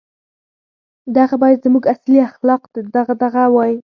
• دغه باید زموږ اصلي اخلاقي دغدغه وای.